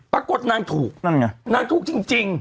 ปรากฏนางถูกนั่นไงนางถูกจริง